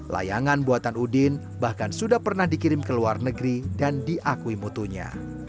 layangan buatan udin bahkan sudah pernah dikirim ke luar negeri dan diakui mutunya